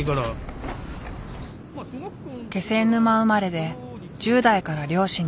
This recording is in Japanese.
気仙沼生まれで１０代から漁師に。